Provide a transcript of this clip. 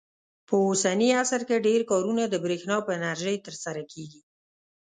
په اوسني عصر کې ډېر کارونه د برېښنا په انرژۍ ترسره کېږي.